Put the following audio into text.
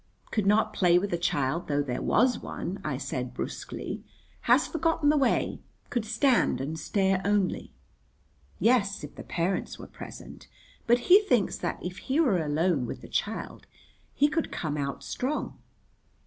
"Could not play with a child though there was one," I said brusquely; "has forgotten the way; could stand and stare only." "Yes, if the parents were present. But he thinks that if he were alone with the child he could come out strong."